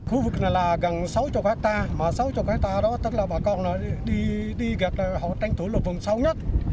khu vực này là gần sáu mươi hectare mà sáu mươi hectare đó tức là bà con đi gạt là họ tranh thủ lục vùng sâu nhất